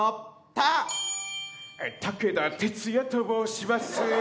武田鉄矢と申します。